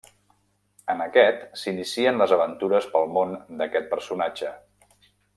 En aquest s'inicien les aventures pel món d'aquest personatge.